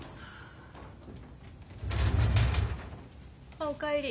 ・あお帰り。